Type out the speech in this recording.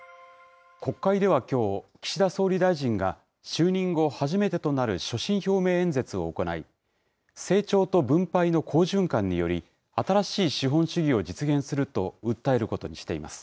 国会ではきょう、岸田総理大臣が就任後初めてとなる所信表明演説を行い、成長と分配の好循環により、新しい資本主義を実現すると訴えることにしています。